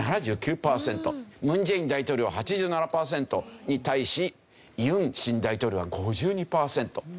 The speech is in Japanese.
ムン・ジェイン大統領８７パーセントに対しユン新大統領は５２パーセント。